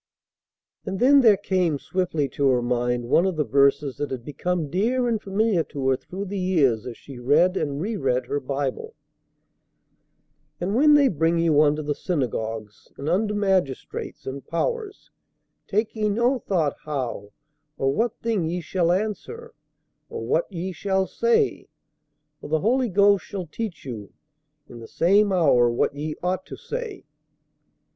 And then there came swiftly to her mind one of the verses that had become dear and familiar to her through the years as she read and reread her Bible, "And when they bring you unto the synagogues, and unto magistrates, and powers, take ye no thought how or what thing ye shall answer, or what ye shall say; for the Holy Ghost shall teach you in the same hour what ye ought to say."